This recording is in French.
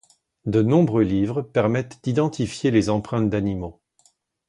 De nombreux livres permettent d'identifier les empreintes d'animaux.